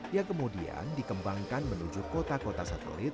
yang kemudian dikembangkan menuju kota kota satelit